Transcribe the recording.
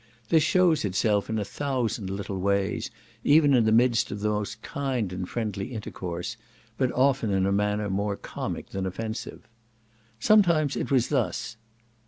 This shows itself in a thousand little ways, even in the midst of the most kind and friendly intercourse, but often in a manner more comic than offensive. Sometimes it was thus.